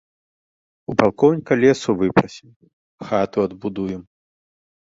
У палкоўніка лесу выпрасім, хату адбудуем.